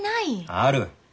ある！